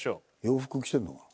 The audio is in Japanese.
洋服着てるのかな？